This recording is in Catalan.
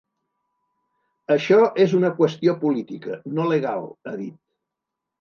Això és una qüestió política, no legal, ha dit.